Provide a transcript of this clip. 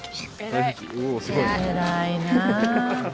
偉いな。